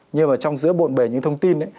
nhưng mà trong giữa bộn bề những thông tin